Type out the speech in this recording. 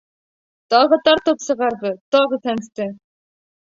Тағы тартып сығарҙы, тағы сәнсте.